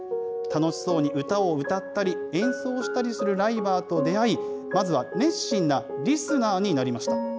楽しそうに歌を歌ったり、演奏したりするライバーと出会い、まずは熱心なリスナーになりました。